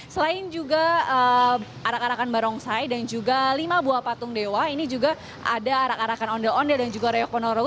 selain juga arak arakan barongsai dan juga lima buah patung dewa ini juga ada arak arakan ondel ondel dan juga reok ponorogo